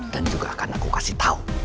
dan juga akan aku kasih tau